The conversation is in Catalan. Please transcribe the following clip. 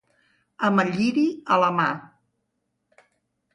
Amb el lliri a la mà.